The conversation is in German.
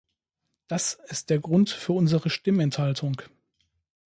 Das ist der Grund für unsere Stimmenthaltung.